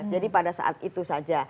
jadi pada saat itu saja